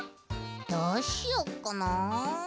どうしよっかな。